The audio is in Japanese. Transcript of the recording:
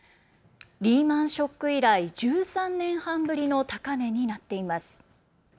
リーマンショック以来１３年半ぶりの高値になっています。